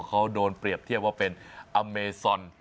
เขาโดนเปรียบเทียบว่าเป็นอเมซอน